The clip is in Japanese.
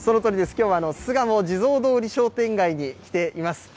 きょうは巣鴨地蔵通り商店街に来ています。